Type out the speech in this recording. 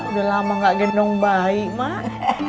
udah lama gak gendong bayi mak